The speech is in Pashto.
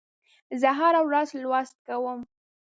زه هره ورځ لوست کوم.